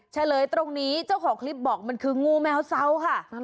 เฉลยตรงนี้เจ้าของคลิปบอกมันคืองูแมวเซาค่ะ